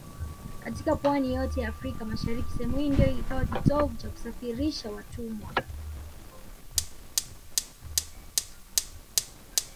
Katika pwani yote ya Afrika mashariki sehemu hii ndio ikawa kitovu cha kusafirishia watumwa